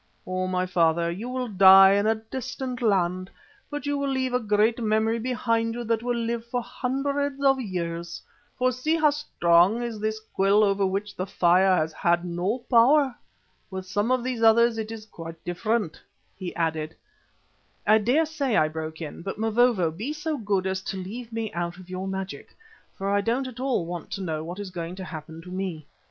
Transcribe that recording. O, my father, you will die in a distant land, but you will leave a great memory behind you that will live for hundreds of years, for see how strong is this quill over which the fire has had no power. With some of these others it is quite different," he added. "I daresay," I broke in, "but, Mavovo, be so good as to leave me out of your magic, for I don't at all want to know what is going to happen to me.